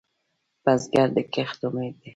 بزګر د کښت امید لري